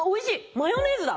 マヨネーズだ。